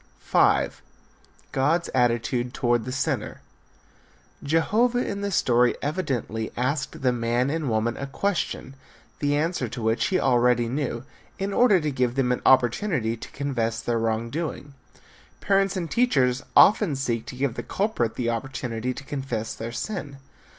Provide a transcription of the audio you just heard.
V. GOD'S ATTITUDE TOWARD THE SINNER. Jehovah in the story evidently asked the man and woman a question, the answer to which he already knew, in order to give them an opportunity to confess their wrong doing. Parents and teachers often seek to give the culprit the opportunity to confess his sin.